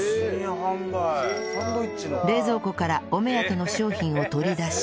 冷蔵庫からお目当ての商品を取り出し